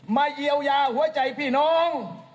เยียวยาหัวใจพี่น้อง